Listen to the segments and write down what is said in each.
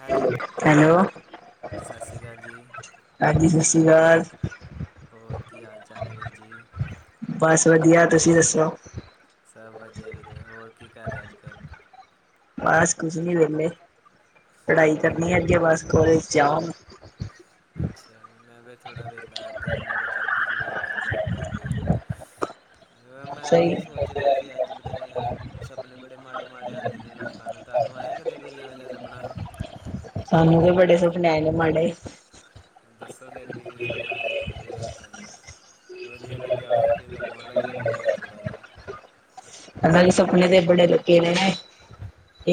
Hello hello. ਸਤਿ ਸ਼੍ਰੀ ਅਕਾਲ ਜੀ ਹਾਂਜੀ ਸਤਿ ਸ੍ਰੀ ਅਕਾਲ। ਹੋਰ ਕੀ ਹਾਲ ਚਾਲ ਐ ਵੀਰ ਜੀ? ਬਸ ਵਧੀਆ, ਤੁਸੀਂ ਦੱਸੋ? ਸਭ ਵਧੀਆ ਵੀਰੇ, ਹੋਰ ਕੀ ਕਰ ਰਿਆ ਅੱਜ ਕੱਲ? ਬਸ ਕੁੱਛ ਨੀ ਵੇਹਲੇ, ਪੜ੍ਹਾਈ ਮੈਂ ਵੀ ਕਰਨੀ ਏ ਅੱਗੇ ਬਸ ਕੋਲੇਜ ਜਾਮ ਅੱਛਾ ਜੀ, ਮੈਂ ਵੀ ਥੋੜਾ ਵੇਹਲਾ ਬੈਠਾ ਸੀ ਮੈਂ ਕਿਹਾ ਚੱਲ ਕਿਸੇ ਵੀਰ ਨਾਲ ਗੱਲ ਕਰ ਲੀ [unintelligible] ਮੈਂ ਸਹੀ ਓਹੀ ਸੋਚ ਰਿਹਾ ਸੀ ਅੱਜ ਪਤਾ ਨੀ ਯਾਰ ਸਪਨੇ ਬੜੇ ਮਾੜੇ-ਮਾੜੇ ਆਂਦੇ ਨੇ ਲੋਕਾਂ ਨੂੰ ਤੁਹਾਨੂੰ ਤੁਹਾਨੂੰ ਆਇਆ ਕਦੇ ਕੋਈ ਐਵੇਂ ਜਾ ਸਪਨਾ? ਸਾਨੂੰ ਵੀ ਬੜੇ ਸੁਪਨੇ ਆਏ ਨੇ ਮਾੜੇ। ਦੱਸੋ ਫਿਰ ਕਿਸੇ ਦੇ ਅਪਣੇ ਬਾਰੇ ਅਪਣੇ ਦੇ ਨਾਲ [unintelligible] ਵਧੀਆ ਲੱਗਿਆ ਹੋਇਆ, ਫਿਰ ਤੁਹਾਨੂੰ ਅਲੱਗ ਜਿਹਾ ਲੱਗਿਆ ਹੋਇਆ ਥੋੜ੍ਹਾ ਜਿਹਾ। ਅਲਗ ਸੁਪਨੇ ਤੇ ਬੜੇ ਲੀਤੇ ਦੇ ਨੇ।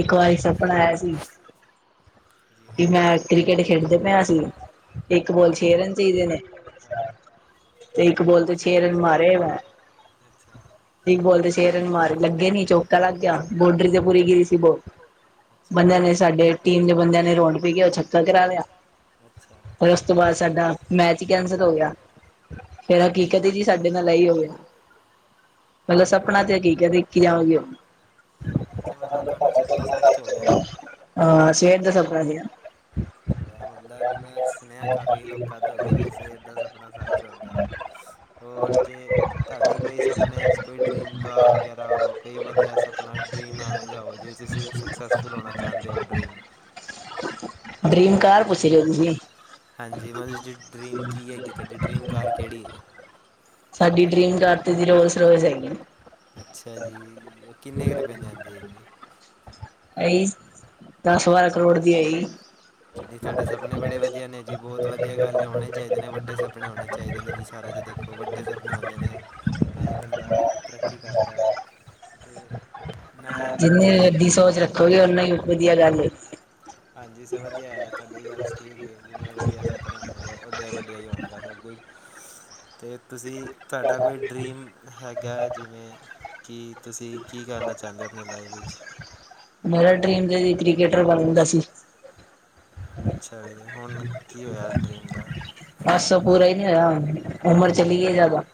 ਇੱਕ ਵਾਰੀ ਸਪਣਾ ਆਇਆ ਸੀ ਜਿਵੇਂ ਕੀ ਮੈਂ ਕ੍ਰਿਕਟ ਖੇਡਦੇ ਪਿਆ ਅਸੀ, ਇੱਕ ਬੋਲ ਚ ਛੇ ਰਨ ਚਾਹੀਦੇ ਨੇ ਅੱਛਾ, ਤੇ ਇੱਕ ਬੋਲ ਤੇ ਅੱਛਾ ਛੇ ਰਨ ਜੀ, ਮਾਰੇ ਮੈ ਅੱਛਾ ਇਕ ਬੋਲ ਤੇ ਛੇ [unintelligible] ਮਾਰਨ ਲੱਗੇ ਨੀ ਚੌਕਾ ਲੱਗ ਗਿਆ, ਬੋਡਰੀ ਤੇ ਪੂਰੀ ਗਿਰੀ ਸੀ ਬੋ ਬੰਦਿਆਂ ਨੇ ਸਾਡੇ, ਟੀਮ ਦੇ ਬੰਦਿਆਂ ਨੇ ਰੋਂਡ ਪੀ ਕੇ ਛੱਕਾ ਕਰਾ ਲਿਆ। ਤੇ ਉਸਤੋਂ ਬਾਅਦ ਸਾਡਾ ਮੈਚ ਹੀ ਕੈਂਸਲ ਹੋ ਗਿਆ। [unintelligible] ਹਕੀਕਤ ਜੀ ਸਾਡੇ ਨਾਲ ਏਹੀ ਹੋਵੇ [unintelligible] ਪਹਿਲਾਂ ਸਪਣਾ ਤੇ ਕੀਆ ਲਿਓ ਅੱਛਾ ਮਤਲਬ ਤੁਹਾਡਾ ਸਪਨਾ ਸੱਚ ਹੋ ਗਿਆ। ਸਵੇਰ ਦਾ ਸਪਨਾ ਸੀਗਾ ਇਹ ਹੁੰਦਾ ਨੀ ਮੈਂ ਸੁਨੇਹਾ ਕਾਫੀ ਲੋਕਾਂ ਤੋਂ ਕਿ ਬਈ ਸਵੇਰ ਦਾ ਸਪਨਾ ਸੱਚ ਹੁੰਦਾ। ਹੋਰ ਜੇ ਤੁਹਾਡੀ ਕੋਈ ਸਪਨੇ ਚ ਕੋਈ ਡਰੀਮ ਕਾਰ ਘਰ ਵਗੈਰਾ ਹੋ ਕੋਈ ਵਧੀਆ ਸੁਪਨਾ। ਨਾਵੇ ਜਾਓ ਜੇ ਤੁਸੀਂ ਸਕਸੈਸਫੁਲ ਹੋਣਾ ਚਾਹੁੰਦੇ ਹੋ ਡਰੀਮ। ਡਰੀਮ ਕਾਰ ਪੁੱਛਿਓ ਜੀ ਹਾਂਜੀ ਮਤਲਬ ਜੀ ਡਰੀਮ ਕੀ ਹੈਗੀ ਤੁਹਾਡੀ ਡਰੀਮ ਕਾਰ ਕਿਹੜੀ ਹੈ? [unintelligible] ਸਾਡੀ ਡਰੀਮ ਕਾਰ ਤੇ ਜੀ ਰੋਜਰੋਯਾਲ ਹੈਗੀ। ਅੱਛਾ ਜੀ ਉਹ ਕਿੰਨੇ ਰੁਪਏ ਲਿਆਂਦੇ ਹੈ ਜੀ ਇਹੀ ਦਸ ਬਾਰਾਂ ਕਰੋੜ ਦੀ ਆਈ। ਤੁਹਾੜੇ ਸਪਨੇ ਬੜੇ ਵਧੀਆ ਨੇ ਜੀ ਬਹੁਤ ਵਧੀਆ ਗੱਲ ਹੋਣੇ ਚਾਹੀਦੇ ਨੇ ਵੱਡੇ ਸਪਨੇ ਹੋਣੇ ਚਾਹੀਦੇ ਨੇ ਜੀ ਸਾਰਾ। ਦੇਖੋ ਵੱਡੇ ਸੁਪਨੇ ਹੁੰਦੇ ਨੇ ਤਾਈ ਬੰਦਾ ਤਰੱਕੀ ਕਰਦਾ। ਤੇ ਮੈਂ ਪੁੱਛ ਜਿੰਨੀ ਰਿਹਾ ਵੱਡੀਸੋਚ ਰੱਖੋਗੇ ਓਨਾ ਹੀ ਵਧੀਆ ਗੱਲ ਏ। ਹਾਂਜੀ ਸਭ ਵਧੀ ਤੁਹਾਡੀ ਗੱਲ ਠੀਕ ਏ ਜਿੰਨੇ ਵਧੀਆ ਸਪਨੇ ਹੋਣਗੇ ਉਡੀ ਵੱਡੇ ਹੀ ਹੋਣਗੇ ਸਭ। [unintelligible] ਤੁਸੀ ਤੁਹਾਡਾ ਕੋਈ ਡਰੀਮ ਹੈਗਾ ਜਿਵੇਂ। ਕੀ ਤੁਸੀ ਕੀ ਕਰਨਾ ਚਾਹੁੰਦੇ ਹੋ ਆਪਣੀ ਲਾਈਫ ਵਿੱਚ ਮੇਰਾ ਡਰੀਮ ਤੇ ਕ੍ਰਿਕਟਰ ਬਣਨ ਦਾ ਸੀ। ਅੱਛਾ ਜੀ ਹੁਣ ਕੀ ਹੋਇਆ ਉਸ ਡ੍ਰਰੀਮ ਦਾ ਬੱਸ ਪੂਰਾ ਹੀ ਨਹੀਂ ਹੋਇਆ ਉਮਰ ਚਲੀ ਗਈ ਜ਼ਿਆਦਾ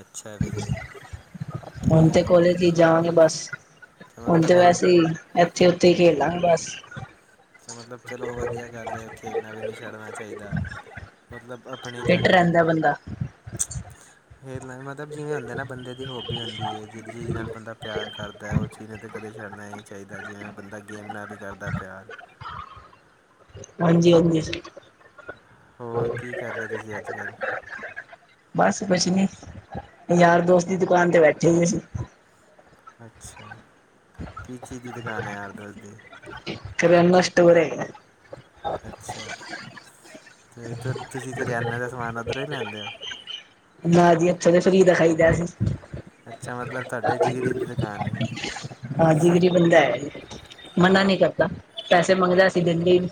ਅੱਛਾ ਵੀਰੇ। ਹੁਣ ਤੇ ਅ ਕੋਲੇਜ ਹੀ ਜਾਵਾਂਗੇ ਬਸ। ਹੁਣ ਤੇ ਵੈਸੇ ਹੀ ਇੱਥੇ ਉਥੀ ਹੀ ਖੇਲਾਗੇ ਬਸ। ਚਲੋ ਮਤਲਬ ਚਲੋ ਵਧੀਆ ਗੱਲ ਏ ਖੇਲਣਾ ਵੀ ਨਹੀ ਛੱਡਣਾ ਚਾਹੀਦਾ ਮਤਲਬ। ਆਪਣੇ ਫਿੱਟ ਰਹਿੰਦਾ ਬੰਦਾ ਫਿਰ ਨਾ ਮਤਲਬ ਜਿਵੇਂ ਹੁੰਦਾ ਨਾਂ ਬੰਦੇ ਦੀ ਹੋਪਵੀ ਹੁੰਦੀ ਹੈ ਜਿਹਦੇ ਨਾਲ ਬੰਦਾ ਪਿਆਰ ਕਰਦਾ ਉਹ [unintelligible] ਛੱਡਨਾ ਹੀ ਨਹੀਂ ਚਾਹੀਦਾ, ਜਿਵੇਂ ਬੰਦਾ ਗੇਮ ਨਾਲ ਈ ਕਰਦਾ ਪਿਆਰ। ਹਾਂਜੀ-ਹਾਂਜੀ। ਹੋਰ ਕੀ ਕਰ ਰਹੇ ਤੁਸੀਂ ਅੱਜ ਕੱਲ੍ਹ? ਬਸ ਕੁਛ ਨਹੀਂ ਯਾਰ ਦੋਸਤ ਦੀ ਦੁਕਾਨ ਤੇ ਬੈਠੇ ਹੋਏ ਸੀ। ਅੱਛਾ ਕਿਸ ਚੀਜ਼ ਦੀ ਦੁਕਾਨ ਹੈ ਯਾਰ ਦੋਸਤ ਦੀ। ਕਰਿਆਨਾ ਸਟੋਰ ਹੈਗਾ ਅੱਛਾ ਤੇ ਤੁਸੀਂ ਕਰਿਆਨੇ ਦਾ ਸਮਾਨ ਉਧਰੋਂ ਹੀ ਲੈਂਦੇ ਹੋ। ਨਾ ਜੀ ਇਥੇ ਤੇ ਫਰੀ ਦਾ ਖਾਈ ਦਾ ਅਸੀ। ਅੱਛਾ ਮਤਲਬ ਤੁਹਾਡੇ ਜਿਗਰੀ ਦੀ ਦੁਕਾਨ ਹੈ। ਹਾਂਜੀ ਗਰੀਬ ਬੰਦਾ ਹੈ ਜੀ ਮਨਾ ਨਹੀਂ ਕਰਦਾ ਪੈਸੇ ਮੰਗਦਾ ਸੀ ਦਿੰਦੇ ਨੀ।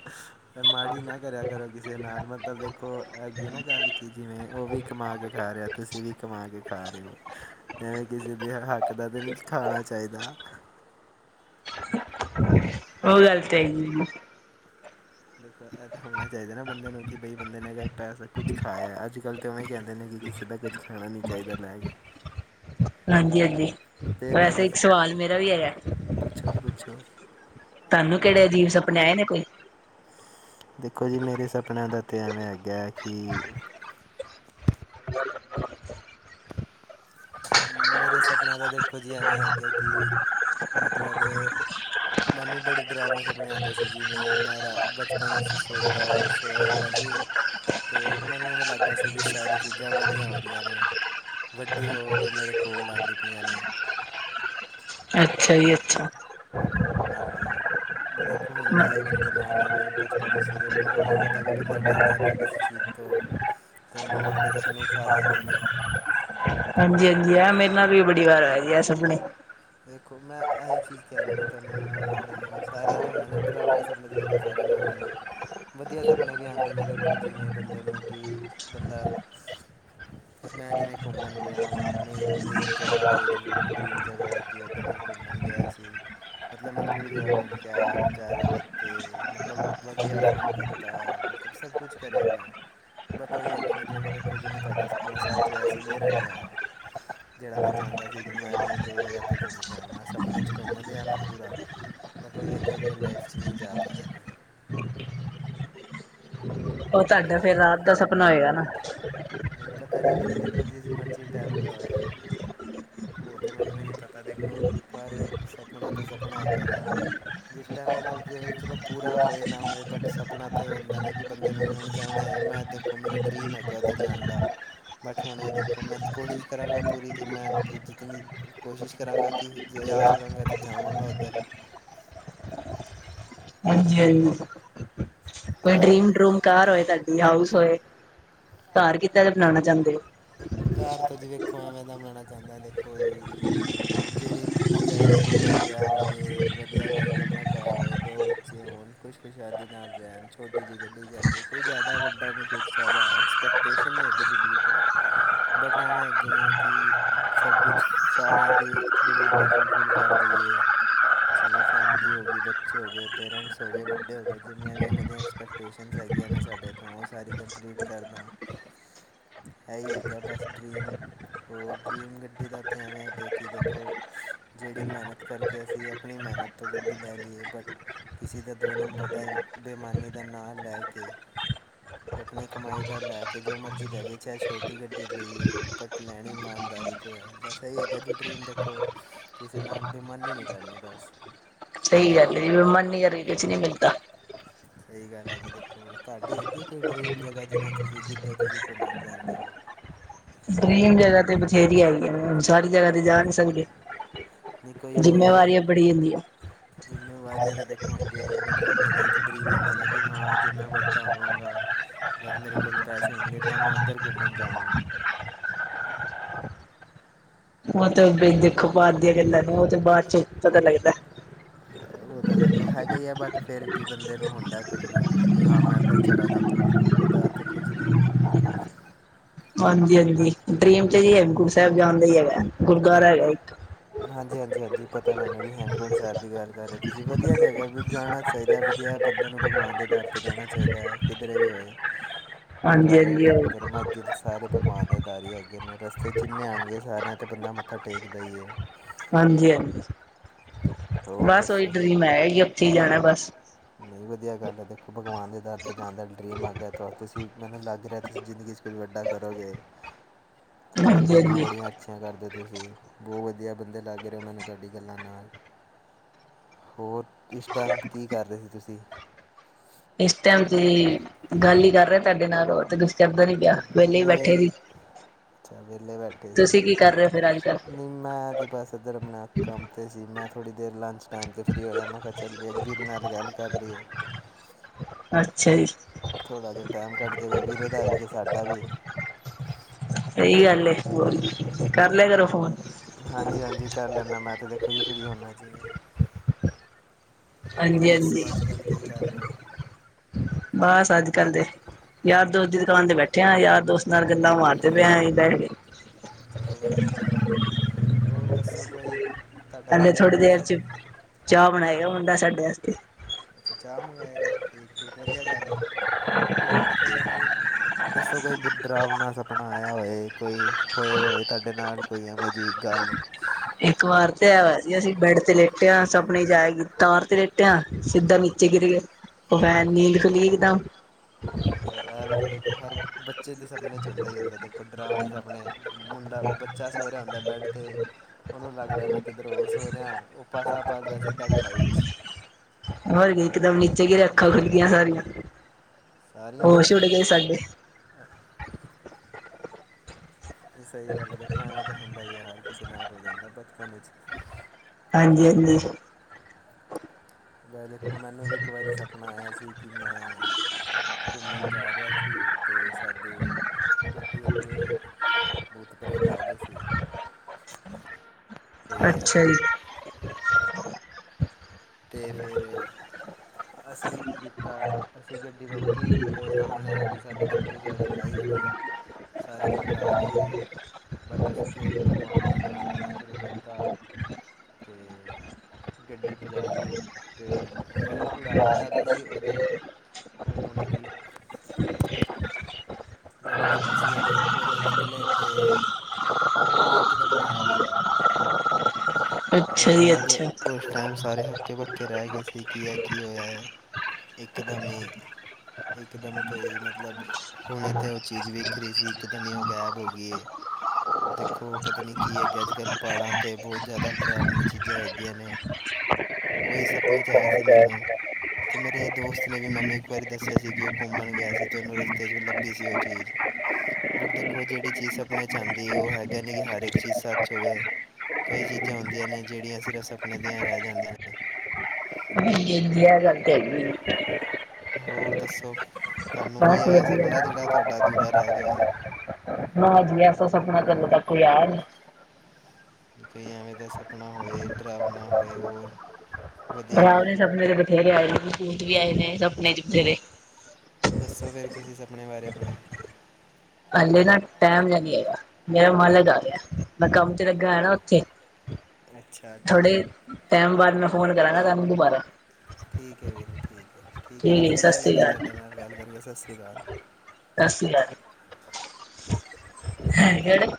ਅ ਮਾੜੀ ਨਾ ਕਰਿਆ ਕਰੋ ਕਿਸੇ ਨਾਲ ਮਤਲਬ ਦੇਖੋ ਹੈਗੀ ਨਾ ਗੱਲ ਕੀ ਜਿਵੇਂ ਉਹ ਵੀ ਕਮਾ ਕੇ ਖ਼ਾ। ਰਿਹਾ ਤੁਸੀਂ ਵੀ ਕਮਾ ਕੇ ਖਾ ਰਹੇ ਹੋ ਐਵੇਂ ਕਿਸੇ ਦੇ ਇੱਕ ਅੱਧਾ ਦਿਨ ਨਹੀਂ ਖਾਣਾ ਚਾਹੀਦਾ। ਉਹ ਗੱਲ ਤੇ ਹੈ। ਦੇਖੋ ਇਹ ਤਾਂ ਹੋਣਾ ਹੀ ਚਾਹੀਦਾ ਨਾ ਬੰਦੇ ਨੂੰ ਕਿ ਬਈ ਬੰਦੇ ਨੇ ਅਗਰ ਪੈਸਾ ਕੁੱਝ ਖਾਇਆ ਅੱਜ ਕੱਲ ਤੇ ਓਵੇਂ ਕਹਿੰਦੇ ਨੇ ਕਿ ਕਿਸੇ ਦਾ ਕੁਝ ਖਾਣਾ ਨਹੀਂ ਚਾਹੀਦਾ ਲੇ ਕੇ ਹਾਂਜੀ ਹਾਂਜੀ ਦੇ ਦਿਆ ਵੈਸੇ ਕਰ ਇੱਕ ਸਵਾਲ ਮੇਰਾ ਵੀ ਹੈਗਾ ਪੁੱਛੋ ਜੀ ਪੁੱਛੋ ਤੁਹਾਨੂੰ ਕਿਹੜੇ ਅਜੀਬ ਸਪਨੇ ਆਏ ਨੇ ਕੋਈ ਦੇਖੋ ਜੀ ਮੇਰੇ ਸਪਨਿਆਂ ਦਾ ਤੇ ਐਵੇਂ ਅਗਾ ਕਿ ਮੇਰੇ ਸੁਪਨਿਆ ਦਾ ਦੇਖੋ ਜੀਵੇਂ ਹੈਗਾ ਕਿ ਮਤਲਬ ਮੈਨੂੰ ਬੜੇ ਡਰਾਮਣੇ ਸਪਣੇ ਆਉਂਦੇ ਸੀ ਜਿਵੇਂ ਮੈਂ ਰਾ ਬਚਪਨ ਵਿੱਚ ਸੋਦਾ ਸੋਇਆ ਹੁੰਦਾ ਸੀ ਅਤੇ ਮੈਨੂੰ ਇਵੇਂ ਲੱਗਦਾ ਸੀ ਕਿ ਸਾਰੀ ਚੀਜ਼ਾਂ ਬੜੀਆਂ ਹੋ ਰਹੀਆਂ ਨੇ ਵੱਡੀ ਹੋ ਕੇ ਮੇਰੇ ਕੋਲ ਆਉਂਦੀ ਪਈਆਂ ਨੇ ਅੱਛਾ ਜੀ ਅੱਛਾ ਹਾਂਜੀ ਬ ਦੇਖੋ ਹੁੰਦਾ ਹੀ ਹੈ ਬੰਦੇ ਨਾਲ ਐਵੇਂ ਬਚਪਨ 'ਚ ਦੇਖੋ ਥੋੜ੍ਹਾ [inaudible] ਤੇਨੂੰ ਮਾੜੇ ਸਪਨੇ ਖਾ ਜਾਂਦੇ ਨੇ ਹਾਂਜੀ ਹਾਂਜੀ ਆ ਮੇਰੇ ਨਾਲ ਵੀ ਬੜੀ ਵਾਰ ਆ ਜ ਆ ਸੁਪਣੇ ਦੇਖੋ ਮੈਂ ਇਹੀ ਚੀਜ਼ ਕਹਿ ਰਿਹਾ ਨਾ ਤੁਹਾਨੂੰ ਬੰਦਾ ਬੰਦੇ ਨੂੰ ਸਾਰਿਆਂ ਦੇਣਾ ਡਰਾਵਣੇ ਸਪਣੇ ਤੇ ਦੇਖੋ ਸਾਰਿਆਂ ਨੂੰ ਮੰਨ ਨੇ ਵਧੀਆ ਸਪਣੇ ਵੀ ਆਉਂਦੇ ਨੇ ਦੇਖੋ ਜਿਵੇਂ ਬੰਦੇ ਨੂੰ ਕਿ ਬੰਦਾ ਮੈਂ ਜਿਵੇਂ ਘੁੰਮਣ ਗਿਆ ਵਾਂ ਆਪਣੀ [inaudible] ਕਿ ਇੱਧਰ ਮੈਂ ਘੁੰਮਣ ਗਿਆ ਸੀ ਮਤਲਬ ਮੈਂ ਪੂਰੀ ਜਗ੍ਹਾ ਘੁੰਮ ਕੇ ਆਇਆ ਨਜ਼ਾਰੇ ਲਿੱਤੇ ਮਤਲਬ ਵਧੀਆ ਫਨ ਕੀਤਾ ਮਤਲਬ ਸਭ ਕੁਛ ਕਰਿਆ ਮੈਂ ਬਟ ਉਹੀ ਹੈ ਕ ਨਾ ਜਿਵੇਂ ਦੇਖੋ ਜਿਵੇਂ ਤੁਹਾਡਾ ਸਪਨਾ ਸੱਚ ਹੋਇਆ ਸੀ ਮੇਰਾ ਨੀ ਹੋਇਆ ਜਿਹੜਾ ਮੈਂ ਚਾਹੁੰਦਾ ਸੀ ਕਿ ਮੈਂ ਆਪਣੀ ਜ ਜਗ੍ਹਾ 'ਤੇ ਘੁੰਮ ਕੇ ਆਵਾਂ ਸਪਨੇ 'ਚ ਘੁੰਮ ਲਹਾ ਮੈਂ ਪੂਰਾ ਮੈਂਤਲਬ ਇਹ ਹੈਗਾ ਰੀਅਲ ਲਾਈਫ ਚ ਨਹੀਂ ਜਾ ਪਾਇਆ ਮੈਂ ਉਹ ਤੁਹਾਡਾ ਫੇਿਰ ਰਾਤ ਦਾ ਸੁਪਨਾ ਹੋਏਗਾ ਨਾ ਨਹੀਂ ਪਤਾ ਨੀ ਵੀਰੇ ਦੇਖੋ ਜਿਸ ਮਰਜ਼ੀ ਟਾਈਮ ਦਾ ਹੋਏ ਉਹ ਤਾਂ ਮੈਨੂੰ ਹੀ ਨਹੀਂ ਪਤਾ ਦੇਖੋ ਪਰ ਸਪਨਾ ਤੇ ਸਪਨਾ ਹੈਗਾ ਨਾ ਜਿਸ ਟਾਈਮ ਦਾ ਮਰਜ਼ੀ ਹੋਏ ਚਲੋ ਪੂਰਾ ਹੋਏ ਨਾ ਹੋਏ ਬਟ ਸਪਨਾ ਤੇ ਇਹ ਹੁੰਦਾ ਨਾ ਕਿ ਬੰਦੇ ਨੂੰ ਹੁਣ ਜਾਣਾ ਹੈ ਅਤੇ ਮੈਂ ਦੇਖੋ ਮੇਰਾ ਡਰੀਮ ਹੈਗਾ ਉੱਧਰ ਜਾਣ ਦਾ ਬਟ ਹੁਣੇ ਦੇਖੋ ਮੈਂ ਕੋਸ਼ਿਸ਼ ਕਰਾਂਗਾ ਪੂਰੀ ਕਿ ਮੈਂ ਜਿਤਨੀ ਕੋਸ਼ਿਸ਼ ਕਰਾਂਗਾ ਕਿ ਜਾ ਸਕਾਂਗਾ ਤੇ ਜਾਵਾਂਗਾ ਉੱਧਰ ਹਾਂਜੀ ਹਾਂ ਕੋਈ ਤਾਂ ਡਰੀਮ ਡਰੂਮ ਕਾਰ ਹੋਏ ਤੁਹਾਡੀ ਹਾਊਸ ਹੋਏ ਘਰ ਕੀਦਾ ਦਾ ਬਣਾਉਣਾ ਚਾਹੁੰਦੇ ਹੋ ਘਰ ਤੋਂ ਜੀ ਵੇਖੋ ਐਵੇਂ ਤਾਂ ਬਨਾਉਣਾ ਚਾਹੁੰਦਾ ਦੇਖੋ ਜੀ ਜਿਹੜੀ, ਕੁੜੀ ਚਾਹੀਦੀ ਉਹਦੇ ਨਾਲ ਵਿਆਹ ਹੋ ਜੇ ਵਧੀਆ ਦਾਇਕ ਆਪਣਾ ਘਰ ਹੋਏ ਦੋ ਬੱਚੇ ਹੋਣ ਖੁਸ਼ ਖੁਸ਼ਾਲਦੀ ਨਾਲ ਰਹਿਣ ਛੋਟੀ ਜਿਹੀ ਗੱਡੀ ਕੋਈ ਜ਼ਿਆਦਾ ਵੱਡਾ ਨੀ ਕੋ ਜਾਿਆਦਾ ਐਕਸਪੈਕਟੇਸ਼ਨ ਨਹੀਂ ਹੈ ਜ਼ਿੰਦਗੀ ਤੋਂ ' ਬਟ ਐਵੇਂ ਅੱਗੇ ਹੈ ਕਿ ਸਭ ਕੁਝ ਸਾਰਿਆਂ ਦੀ ਡਿਮਾਂਡਾਂ ਫੁਲਫਿਲ ਕਰ ਦੇਈਏ ਅਤੇ ਜਿਵੇਂ ਫੈਮਿਲੀ ਹੋ ਗਈ ਬੱਚੇ ਹੋ ਗਏ ਪੇਰੈਂਟਸ ਹੋ ਗਏ ਵੱਡੇ ਹੋ ਗਏ ਜਿੰਨੀਆਂ ਵੀ ਉਹਨਾਂ ਦੀਆਂ ਐਕਸਪੈਕਟੇਸ਼ਨਜ਼ ਹੈ ਹੈਗੀਆਂ ਨੇ ਸਾਡੇ ਤੋਂ ਉਹ ਸਾਰੀ ਕੰਪਲੀਟ ਕਰਦਾ ਦਾ ਹੀ ਹੈ ਅੱ ਬਸ ਡਰੀਮ ਹੋਰ ਡਰੀਮ ਗੱਡੀ ਦਾ ਇੱਥੇ ਐਵੇਂ ਅੱਗੇ ਕਿ ਦੇਖੋ ਜਿਹੜੀ ਮੈਂ ਮਿਹਨਤ ਕਰਕੇ ਅਸੀਂ ਆਪਣੀ ਮਿਹਨਤ ਤੋਂ ਗੱਡੀ ਲੈ ਲਈਏ ਬਟ ਕਿਸੇ ਦਾ ਦੋ ਨੰਬਰ ਦਾ ਬੇਮਾਨੀ ਦਾ ਨਾਂ ਲੈ ਕੇ ਆਪਣੀ ਕਮਾਈ ਦਾ ਲੈ ਕੇ ਜੋ ਮਰਜ਼ੀ ਲੈ ਗਏ ਚਾਹੇ ਛੋਟੀ ਟੀ ਗੱਡੀ ਲਈਏ ਪਰ ਲੈਣੀ ਇਮਾਨਦਾਰੀ ਤੋਂ ਹੈ ਬਸ ਇਹ ਹੈੀ ਟਡ੍ਰੀਮ ਦੇਖੋ ਕਿਸੇ ਨੂੰ ਨਾਲ ਬੇਮਾਨੀ ਨਹੀਂੀ ਕਰਨੀ ਬਸ ਸਹੀ ਗੱਲ ਹੈ ਜਿਵੇਂ ਮਨ ਨੀ ਕਰੀ ਕੁਛ ਨਹੀਂੀ ਮਿਲਦਾ ਸਹੀ ਗੱਲ ਹੈ ਜੀ ਦੇਖੋ ਤੁਹਾਡੀ ਅੱਗੇ ਕੋਈ ਡਰੀਮ ਜਗ੍ਹਾ ਜਿਵੇਂ ਤੁਸੀਂ ਜਿੱਧਰ ਤੁਸੀਂ ਘੁੰਮਣ ਜਾਂਦੇ ਹੋ ਡਰੀਮ ਜਗ੍ਹਾ ਤੇ ਬਥੇਰੀ ਆਈ ਆ ਸਾਰੀ ਜਗ੍ਹਾ ਤੇ ਜਾ ਨਹੀਂੀ ਸਕਦੇ ਨਹੀਂ ਕੋਈ ਹੋਏ ਜਿੰਮੇਵਾਰੀਆਂ ਬੜੀ ਹੁਦੀਆਂ ਜ਼ਿੰਮੇਵਾਰੀਆਂ ਤਾਂ ਦੇਖੋ ਹੁੰਦੀਆਂ ਹੀ ਨੇ ਬਟ ਬੰਦੇ ਦਾ ਇੱਕ ਡਰੀਮ ਹੁੰਦਾ ਨਾ ਕਿ ਹਾਂ ਜੇ ਮੈਂ ਵੱਡਾ ਹੋਵਾਂਗਾ ਜਦ ਮੇਰੇ ਕੋਲ ਪੈਸੇ ਹੋਣਗੇ ਤਾਂ ਮੈਂ ਉੱਧਰ ਘੁੰਮਣ ਜਾਵਾਂਗਾ। ਉਹ ਤੇ ਦੇਖੋ ਬਾਹਰ ਦੀਆਂ ਗੱਲਾਂ ਨੂੰ ਉਹ ਤੇ ਬਾਅਦ ਚੋਂ ਪਤਾ ਲੱਗਦਾ। ਉਹ ਤਾਂ ਦੇਖੋ ਹੈਗਾ ਹੀ ਆ ਬਟ ਫੇਰ ਵੀ ਬੰਦੇ ਨੂੰ ਹੁੰਦਾ ਕੁੱਝ ਕੁਛ ਹਾਂ ਮੈਂ ਇੱਧਰ ਚਲਾ ਜਾਗਾ ਉਹਦਾ ਇਥੇ ਕੁਝ ਨਹੀਂ ਹਾਂਜੀ-ਹਾਂਜੀ ਡਰੀਮ ਤੇ ਜੀ ਹੈ ਗੁਰੂ ਸਾਹਿਬ ਜਾਣ ਦਾ ਹੀ ਹੈਗਾ ਗੁਰਦੁਆਰਾ ਹੈਗਾ ਇੱਕ, ਹਾਂਜੀ-ਹਾਂਜੀ-ਹਾਂਜੀ ਪਤਾ ਮੈਨੂੰ ਵੀ ਹੇਮਕੁੰਟ ਸਾਹਿਬ ਦੀ ਗੱਲ ਕਰੋ, ਤੁਸੀਂ ਵਧੀਆ ਜਗ੍ਹਾ ਵੀ ਜਾਣਾ ਚਾਹੀਦਾ ਵਧੀਆ ਬੰਦੇ ਨੂੰ ਭਗਵਾਨ ਦੇ ਦਰ 'ਤੇ ਜਾਣਾ ਚਾਹੀਦਾ ਹੈ ਕਿਧਰੇ ਵੀ ਹੋਏ, ਹਾਂਜੀ ਗੁਰਦੁਆਰੇ ਹਾਂਜੀ ਉਹ ਮੰਦਿਰ ਮਸਜਿਦ ਸਾਰੇ, ਮਾਂ ਦੇ ਦਾਰੀ ਅੱਗੇ ਨੇ ਰਸਤੇ ਜਿੰਥੇ ਆਣਗੇ ਸਾਰਿਆਂ ਅਤੇ ਬੰਦਾ ਮੱਥਾ ਟੇਕਦਾ ਹੀ ਹੈ, ਹਾਂਜੀ-ਹਾਂਜੀ, ਹੋਰ ਬਸ ਉਹੀ ਦੱਸੋ ਡਰੀਮ ਐ ਹੀ ਉੱਥੇ ਜਾਣਾ ਬਸ, ਨਹੀਂ ਵਧੀਆ ਗੱਲ ਹੈ ਭਗਵਾਨ ਦੇ ਦਰ 'ਤੇ ਜਾਣ ਦਾ ਡਰੀਮ ਆਗਿਆ ਤਾਂ ਤੁਸੀਂ ਮੈਨੂੰ ਲੱਗ ਰਿਹਾ ਤੁਸੀਂ ਜ਼ਿੰਦਗੀ 'ਚ ਕੋਈ ਵੱਡਾ ਕਰੋਗੇ। ਤੁਹਾਡੀ ਹਾਂਜੀ ਗੱਲਾਂ ਹਾਂਜੀ ਬੜੀਆਂ ਅੱਛੀਆਂ ਕਰਦੇ, ਤੁਸੀਂ ਬਹੁਤ ਵਧੀਆ ਬੰਦੇ ਲੱਗ ਰਹੇ ਹੋ ਮੈਨੂੰ ਤੁਹਾਡੀ ਗੱਲਾਂ ਨਾਲ, ਹੋਰ ਇਸ ਟਾਈਮ ਕੀ ਕਰਦੇ ਸੀ ਤੁਸੀਂ? ਇਸ ਟਾਈਮ ਤੁਸੀ ਗੱਲ ਹੀ ਕਰ ਰਹੇ ਤੁਹਾਡੇ ਨਾਲ ਤੇ ਚਦਾ ਨੀ ਪਿਆ ਵਿਹਲੇ ਹੀ ਬੈਠੇ ਨਹੀਂ ਸੀ, ਅੱਛਾ ਵਿਹਲੇ ਬੈਠੇ ਸੀ ਤੁਸੀਂ ਕੀ ਕਰ ਰਹੇ ਹੋ ਫੇਰ ਅੱਜ ਕੱਲ? ਨਹੀਂ ਮੈਂ ਤੇ ਬਸਧਰ ਕੰਮ ਤੇ ਸੀ। ਮੈਂ ਥੋੜੀ ਦੇਰ ਚ ਲੰਚ ਟੈਮ ਤੇ ਫਰੀ ਹੋਇਆ ਮੈਂ ਕਿਹਾ ਚੱਲ ਵੀਰ ਨਾਲ ਗੱਲ ਕਰ ਲਈਏ। ਅੱਛਾ ਜੀ ਥੋੜ੍ਹਾ ਜਿਹਾ ਟਾਈਮ ਕੱਟ ਜੇਗਾ ਵੀਹਰੇ ਦਾ ਵੀ ਤੇ ਸਾਡਾ ਵੀ ਸਹੀ ਗੱਲ ਕਰ ਲਿਆ ਕਰੋ ਫੋਨ ਹਾਂਜੀ-ਹਾਂਜੀ ਕਰ ਲੈਦਾ ਮੈਂ ਤੇ ਦੇਖੋ ਜੀ ਫਰੀ ਹਦਾ ਜਿਵੇਂ ਹੋਰ ਹਾਂਜੀ-ਹਾਂਜੀ ਦੱਸੋ ਅੱਜ ਕੱਲ੍ਹ ਕੀ ਕਰ ਰਹੇ ਹੋ ਬਸ ਅੱਜ-ਕਲ ਦੇ ਯਾਰ ਦੋਸਤ ਦੁਕਾਨ ਤੇ ਬੈਠੇ ਯਾਰ ਦੋਸਤ ਨਾਲ ਗੱਲਾਂ ਮਾਰਦੇ ਪਏ ਬੈ ਕੇ ਚਲੋ ਵਧੀਆ ਗੱਲ ਹੈ। ਹੋਰ ਦੱਸੋ ਕੋਈ ਤੁਹਾਡਾ ਪਲੇ ਕੋਈ ਥੋੜ੍ਹੀ ਬੁਰਾ ਦੇਰ ਸਭ ਚ ਚਾਹ ਬਣਾਇਆ ਹੁੰਦਾ ਸਾਡਾ, ਬਾਸਤੇ ਅੱਛਾ ਚਾਹ ਮੰਗਵਾਏਗਾ ਠੀਕ ਠੀਕ ਵਧੀਆ ਗੱਲ ਐ, ਹੋਰ ਕੋਈ ਆਪਣੀ ਦੱਸੋ ਕੋਈ ਬੁੱਧ ਰਾਮ ਨਾਲ ਸਪਨਾ ਆਇਆ ਹੋਏ ਕੋਈ ਹੋਏ ਹੋਏ ਤੁਹਾਡੇ ਨਾਲ ਕੋਈ ਐਵੇਂ ਜੀ। ਇੱਕ ਵਾਰ ਤੇ ਹੈ ਅਸੀਂ ਬੈਡ ਤੇ ਲੇਟਿਆਾਂ ਸਪਨੇ ਜਾਈ ਤਾਰ ਤੇ ਲੇਟਿਆ ਸਿੱਧਾ ਨੀਚੇ ਗਿਰ ਗਿਆ, ਬਹਿ ਨੀਲ ਕਲੀਨਦਾ, ਛਾ ਇਹ ਵੀ ਤਾਂ ਦੇਖੋ ਹਰ ਬੱਚੇ ਦੇ ਸਪਨ 'ਚੋਂਦਾ ਹੀ ਹੁੰਦਾ ਦੇਖੋ ਡਰਾਮਣੇ ਸਪਣੇ ਮੁੰਡਾ, ਬੱਚਾ ਸੋ ਰਿਆ ਹੁੰਦਾ ਪਰ ਹ ਸੋ ਰਿਹਾ ਉਹ ਪਾਸਾ ਪਲਟਦਾ ਸਿੱਧਾ ਖਾਈ 'ਚ ਹੋਰ ਇੱਕਦਮ ਨੀਚੇ ਗਿਰਿਆ ਅੱਖਾ ਖੁਲਗੀਆ ਸਾਰੀਆਂ ਸਾਰੀਆਂ ਹੋਸ ਉਡ ਗਏ ਸਾਡੇ, ਇਹ ਸਹੀ ਗੱਲ ਹੈ ਦੇਖੋ ਐਵੇਂ ਤਾਂ ਹੁੰਦਾ ਹੀ ਹੈ ਹਰ ਕਿਸੇ ਨਾਲ ਹੋ ਜਾਂਦਾ ਬਚਪਨ ਹਾਂਜੀ-ਹਾਂਜੀ, ਦੇਖੋ ਮੈਨੂੰ ਵੀ ਇੱਕ ਵਾਰੀ ਸਪਨਾ ਆਇਆ ਸੀ ਕਿ ਮੈਂ, ਘੁੰਮਣ ਜਾ ਰਿਹਾ ਸੀ ਅਤੇ ਸਾਡੀ ਗੱਡੀ ਅੱਗੇ, ਬੂਤ ਪ੍ਰੇਤ ਆਗੀ ਸੀ, ਅਤੇ ਅੱਛਾ ਜੀ ਤੇ ਫੇਰ ਅਸੀਂ ਕੀ ਕੀਤਾ ਅਸੀਂ ਗੱਡੀ ਰੋਕੀ ਤੇ ਉਹ ਸਾਹਮਣੇ ਆ ਸਾਡੇ ਚਿੱਟੀ ਸਾੜੀ ਪਾਈ ਉਹਨੇ ਹ ਸਾਰੇ ਘਬਰਾ ਗਏ ਸੀ ਬਟ ਅਸੀਂ ਫਿਰ ਭਗਵਾਨ ਦਾ ਨਾਂ ਲੈਣਾ ਸ਼ੁਰੂ ਕੀਤਾ। ਤਾ ਅਤੇ ਗੱਡੀ, ਜਾ ਲਈ ਤੇ ਉਹਨੂੰ ਉਡਾ ਜ਼ਿਆਦਾ ਸੀ ਉਹਦੇ, ਕੋਲੋਂ ਨਿਕਲੇ [unintelligible] ਜਦੋਂ ਅਸੀਂ ਉਹਦੇ ਕੋਲੋਂ ਨਿਕਲੇ ਤੇ ਉਹ ਇਕਦਮ ਗੈਬ ਹੋਗੀ। ਅੱਛਾ ਜੀ ਮਤਲਬ ਅੱਛਾ ਉਸ ਟਾਈਮ ਸਾਰੇ ਹੱਕੇ ਬੱਕੇ ਰਹਿ ਗਏ ਸੀ ਕਿ ਇਹ ਕੀ ਹੋਇਆ ਹੈ। ਇੱਕ ਦਮ ਈ ਇਕ ਦਮ ਤੋਂ ਹੀ ਮਤਲਬ ਹੁਣੇ ਤੇ ਉਹ ਚੀਜ਼ ਵਿਖ ਰਹੀ ਸੀ, ਇੱਕ ਦਮ ਹੀ ਉਹ ਗੈਬ ਹੋ ਗਈ ਏ। ਦੇਖੋ ਪਤਾ ਨੀ ਕੀ ਹੈਗੇ, ਅੱਜ- ਕੱਲ੍ਹ ਪਹਾੜਾਂ ਤੇ ਬਹੁਤ ਜ਼ਿਆਦਾ ਡਰਾਵਨੀ ਚੀਜ਼ਾਂ ਹੈਗੀਆਂ ਨੇ ਉਹੀ ਸਪਨੇ ਚ ਆਇਆ ਸੀ ਮੈਨੂੰ। ਤੇ ਮੇਰੇ ਦੋਸਤ ਨੇ ਵੀ ਮੈਨੂੰ ਇੱਕ ਵਾਰੀ ਦੱਸਿਆ ਸੀ ਕਿ ਉਹ ਘੁੰਮਣ ਗਿਆ ਸੀ, ਅਤੇ ਉਹਨੂੰ ਰਸਤੇ ਚ ਵੀ ਲੱਭੀ ਸੀ ਉਹ ਚੀਜ਼। ਬਟ ਦੇਖੋ ਜਿਹੜੀ ਚੀਜ਼ ਆਪਣੇ ਚਾਂਹਦੀ ਉਹ ਹੈਗਾ ਨੀ ਕਿ ਹਰ ਇੱਕ ਚੀਜ਼ ਸੱਚ ਹੋਵੇ। ਕਈ ਚੀਜ਼ਾਂ ਹੁੰਦੀਆਂ ਨੇ ਜਿਹੜੀਆਂ ਸਿਰ ਸਪਨੇ ਦੀਆਂ ਰਹਿ ਜਾਂਦੀਆਂ ਨੇ। ਹਾਂਜੀ- ਹਾਂਜੀ ਇਹ ਗੱਲ ਤਾਂ ਹੈਗੀ ਐ ਜੀ। ਹੋਰ ਦੱਸੋ ਤੁਹਾਨੂੰ ਕੋਈ ਬਸ ਆਇਆ ਵਧੀਆ ਸੁਪਨਾ ਜਿਹੜਾ ਜੀ, ਤੁਹਾਡਾ ਅਧੂਰਾ ਰਹਿ ਗਿਆ ਹੋਵੇ ਨਾਂ ਜੀ ਐਸਾ ਸੁਪਨਾ ਤਾਂ ਅਜੇ ਤੱਕ ਕੋਈ ਯਾਰ ਕਈ ਐਵੇਂ ਦਾ ਸਪਨਾ ਹੋਏ, ਡਰਾਵਣਾ ਹੋਏ ਹੋਰ ਵਧੀਆ ਡਰਾਵਨੇ ਸਪਨੇ ਤੇ ਬਥੇਰੇ ਆਏ ਨੇ ਭੂਤ ਵੀ ਆਏ ਨੇ ਸਪਨੇ ਚ ਬਥੇਰੇ। ਦੱਸੋ ਫਿਰ ਕਿਸੇ ਸੁਪਨੇ ਬਾਰੇ ਆਪਣੇ। ਹਲੇੇ ਨਾ ਟੈਮ ਲੱਗੇਗਾ ਮੇਰਾ ਮਾਲਕ ਆ ਗਿਆ, ਮੈਂ ਕੰਮ ਤੇ ਲੱਗਾ ਹੈ ਨਾ ਉੱਥੇ। [unintelligible] ਅੱਛਾ ਥੋੜੇ ਟਾਈਮ ਬਾਅਦ ਮੈਂ ਫੋਨ ਕਰਾਂਗਾ ਤੁਹਾਨੂੰ ਦੁਬਾਰਾ। ਠੀਕ ਹੈ ਵੀਰੇ ਠੀਕ ਹੈ ਠੀਕ ਹੈ ਵੀਰੇ ਜੀ ਸਤਿ ਵਧੀਆ ਸ਼੍ਰੀ ਲੱਗਿਆ ਤੁਹਾਡੇ ਅਕਾਲ ਨਾਲ ਗੱਲ ਕਰਕੇ ਸਸ ਰੀ ਕਾਲ। ਸਸ ਰੀ ਕਾਲ। ਹੈ ਕਿਹੜੇ